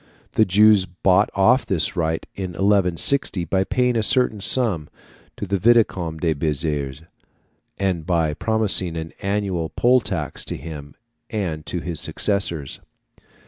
The Jews bought off this right in 1160 by paying a certain sum to the Vicomte de Béziers, and by promising an annual poll tax to him and to his successors.